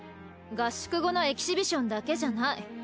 合宿後のエキシビションだけじゃない。